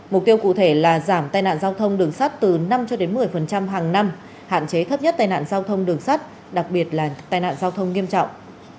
mục tiêu cụ thể là giảm tai nạn giao thông đường sắt từ năm cho đến một mươi hàng năm hạn chế thấp nhất tai nạn giao thông đường sắt đặc biệt là tai nạn giao thông nghiêm trọng